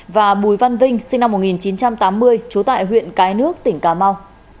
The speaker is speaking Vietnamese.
và bùi văn vinh sinh năm một nghìn chín trăm tám mươi trú tại huyện cái nước tỉnh cà mau